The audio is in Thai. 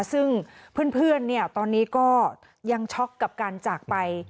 ซึ่งเพื่อนตอนนี้ก็ยังช็อกกับการจากไป